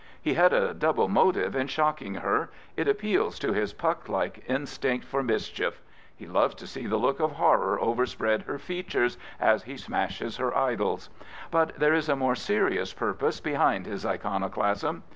He had a double motive in shocking her. It appeals to his Puck like instinct for mischief. He loves to see the look of horror over spread her features as he smashes her idols. But there is a more serious purpose behind his iconoclasm.